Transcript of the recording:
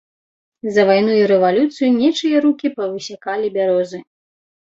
За вайну і рэвалюцыю нечыя рукі павысякалі бярозы.